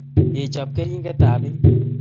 Kechop keringet ab beek